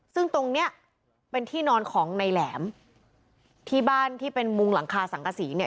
ซึ่งตรงเนี้ยเป็นที่นอนของในแหลมที่บ้านที่เป็นมุงหลังคาสังกษีเนี่ย